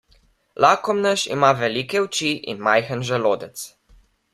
Lakomnež ima velike oči in majhen želodec.